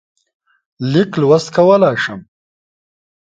لیک لوست کولای شم.